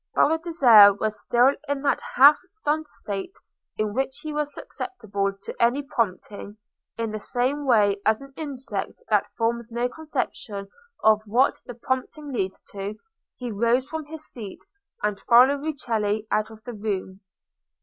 Baldassarre was still in that half stunned state in which he was susceptible to any prompting, in the same way as an insect that forms no conception of what the prompting leads to. He rose from his seat, and followed Rucellai out of the room.